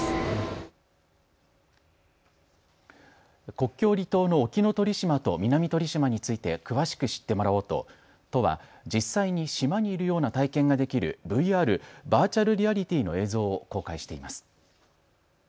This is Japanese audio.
国境離島の沖ノ鳥島と南鳥島について詳しく知ってもらおうと都は実際に島にいるような体験ができるＶＲ・バーチャルリアリティーの映像を公開しています。